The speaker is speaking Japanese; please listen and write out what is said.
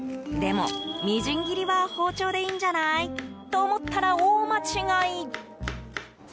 でも、みじん切りは包丁でいいんじゃない？と思ったら大間違い。